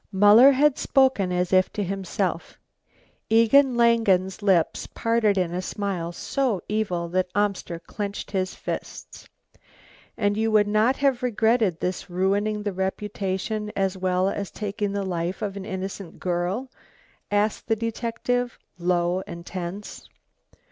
Muller had spoken as if to himself. Egon Langen's lips, parted in a smile so evil that Amster clenched his fists. "And you would not have regretted this ruining the reputation as well as taking the life of an innocent girl?" asked the detective low and tense.